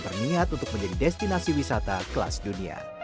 berniat untuk menjadi destinasi wisata kelas dunia